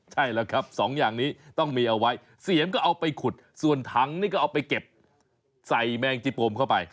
ใช่แล้วครับสองอย่างนี้ต้องมีเอาไว้เสียมก็เอาไปขุดส่วนถังนี่ก็เอาไปเก็บใส่แมงจีโปมเข้าไป